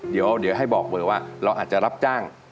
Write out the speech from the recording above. เดี๋ยวให้บอกเบอร์ว่าเราอาจจะรับจ้าง